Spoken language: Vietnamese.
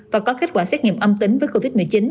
và có kết quả xét nghiệm âm tính với covid một mươi chín